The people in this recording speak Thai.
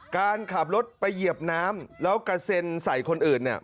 การขับรถไปเหยียบน้ำแล้วกระเซ็นใส่คนอื่นเนี่ย